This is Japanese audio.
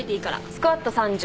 スクワット３０。